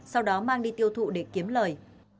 sau đó mang đi tiêu thụ để kiếm lời